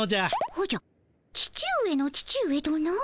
おじゃ父上の父上とな。